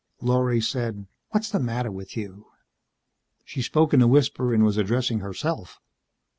Lorry said, "What's the matter with you?" She spoke in a whisper and was addressing herself.